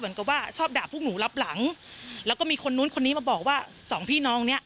เหมือนกับว่าชอบด่าพวกหนูรับหลังแล้วก็มีคนนู้นคนนี้มาบอกว่าสองพี่น้องเนี้ย